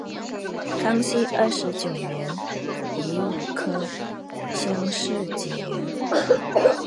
康熙二十九年庚午科乡试解元。